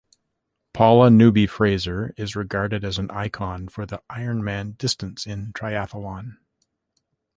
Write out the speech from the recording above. Paula Newby-Fraser is regarded as an icon for the Ironman distance in triathlon.